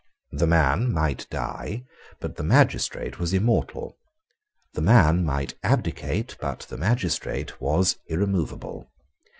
The man might die; but the magistrate was immortal. The man might abdicate; but the magistrate was irremoveable.